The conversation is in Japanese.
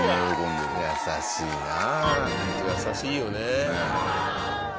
ホント優しいよね。